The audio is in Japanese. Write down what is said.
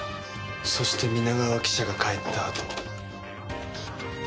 そして皆川記者が帰ったあと。